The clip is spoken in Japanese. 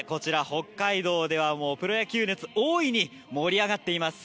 北海道ではプロ野球熱が大いに盛り上がっています。